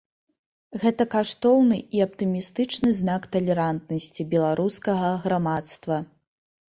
Гэта каштоўны і аптымістычны знак талерантнасці беларускага грамадства.